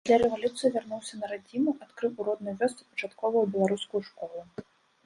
Пасля рэвалюцыі вярнуўся на радзіму, адкрыў у роднай вёсцы пачатковую беларускую школу.